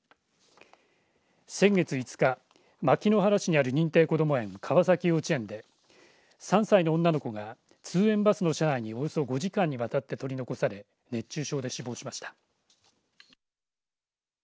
先月５日牧之原市にある認定こども園川崎幼稚園で３歳の女の子が通園バスの車内におよそ５時間にわたって取り残され熱中症で死亡しました。